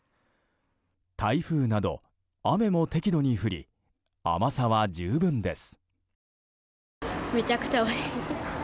台風など雨も適度に降り甘さは十分です。